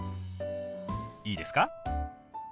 いいですか？